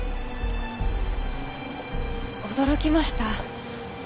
驚きました。